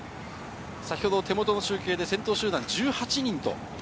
手元の集計で先頭集団１８人。